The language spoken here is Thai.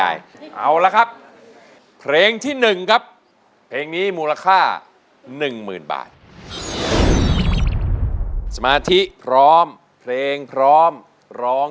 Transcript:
ดินเจ้าเอ๋ยถ้าเคยอยู่ใกล้มากก่อน